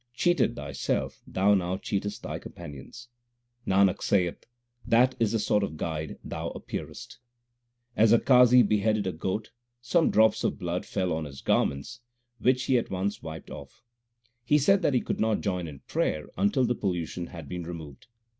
Cheated thyself thou now cheatest thy companions. Nanak saith, that is the sort of guide thou appearest ! As a Qazi beheaded a goat, some drops of blood fell on his garments, which he at once wiped off. He said that he could not join in prayer until the pollution had been removed.